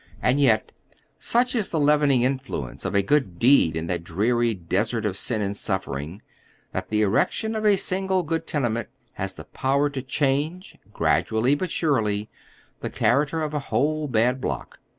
And yet, such ia the leavening in fluence of a good deed in that dreary desert of sin and oyGoogle 396 HOW THE OTHER HALF LIVES. suffering, that the erection of a single good tenement has the power to change, gradually but surely, the character of a whole bad block.